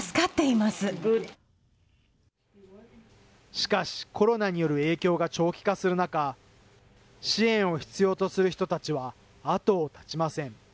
しかし、コロナによる影響が長期化する中、支援を必要とする人たちは後を絶ちません。